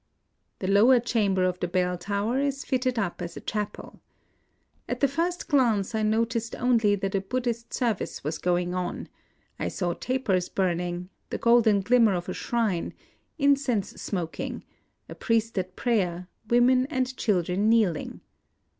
The lower chamber of the bell tower is fitted up as a chapel. At the first glance I noticed only that a Buddhist service was going on; I saw tapers burning, the golden glimmer of a shrine, incense smok ing, a priest at prayer, women and children kneeling.